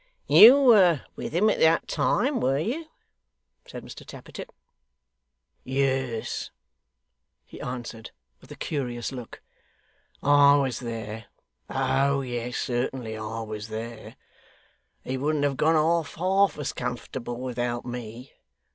'You were with him at the time, were you?' said Mr Tappertit. 'Yes,' he answered with a curious look, 'I was there. Oh! yes certainly, I was there. He wouldn't have gone off half as comfortable without me.